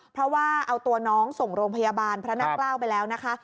เพราะว่าเอาตัวน้องส่งโรงพยาบาลพระนั่งเกล้าไปแล้วนะคะ